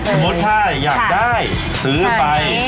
สมมุติถ้าอยากได้ซื้อไปเป็นอย่างงี้